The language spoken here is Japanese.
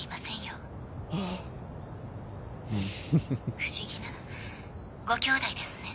不思議なご兄弟ですね。